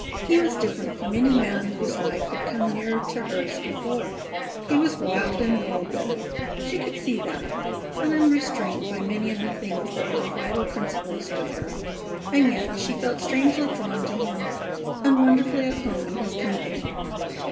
He was different from any man whose life had come near to hers before. He was wild and worldly, she could see that, and unrestrained by many of the things that were vital principles with her, and yet she felt strangely drawn to him and wonderfully at home in his company.